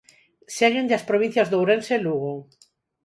Séguenlle as provincias de Ourense e Lugo.